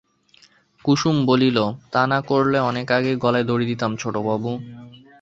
কুসুম বলিল, তা না করলে অনেক আগেই গলায় দড়ি দিতাম ছোটবাবু।